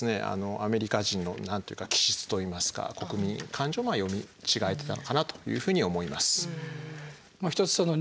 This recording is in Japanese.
アメリカ人の何ていうか気質といいますか国民感情はまあ読み違えてたかなというふうに思います。